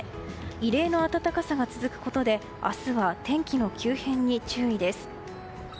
異例の暖かさが続くことで明日は天気の急変に注意です。